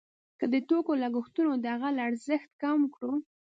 که د توکو لګښتونه د هغه له ارزښت کم کړو